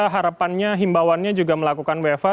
harapannya himbawannya juga melakukan wfa